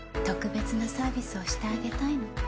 特別なサービスをしてあげたいの。